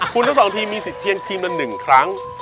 คุณทั้งสองทีมมีสิทธิเพียงทีมละ๑ครั้ง